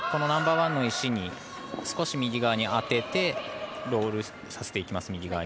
ナンバーワンの石に少し右側に当てて右側にロールさせていきます。